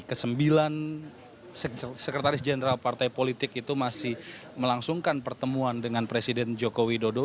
kesembilan sekretaris jenderal partai politik itu masih melangsungkan pertemuan dengan presiden joko widodo